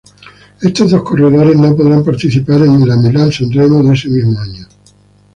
Estos dos corredores no podrán participar en la Milán-San Remo de ese mismo año.